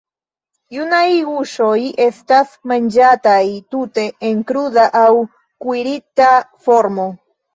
Junaj guŝoj estas manĝataj tute en kruda aŭ kuirita formo.